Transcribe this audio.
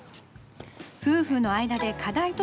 夫婦の間で課題